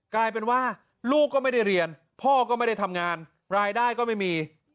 กลายเป็นว่าลูกก็ไม่ได้เรียนพ่อก็ไม่ได้ทำงานรายได้ก็ไม่มี